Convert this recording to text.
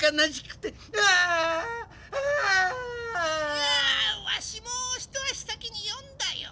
いやわしも一足先に読んだよ。